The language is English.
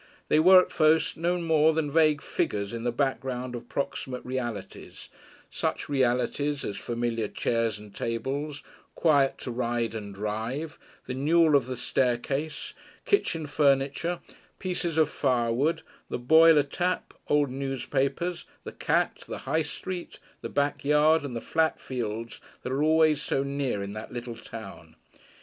They were at first no more than vague figures in the background of proximate realities, such realities as familiar chairs and tables, quiet to ride and drive, the newel of the staircase, kitchen furniture, pieces of firewood, the boiler tap, old newspapers, the cat, the High Street, the back yard and the flat fields that are always so near in that little town.